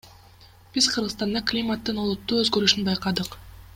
Биз Кыргызстанда климаттын олуттуу өзгөрүшүн байкадык.